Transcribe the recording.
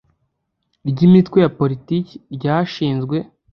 ry imitwe ya politiki ryashinzwe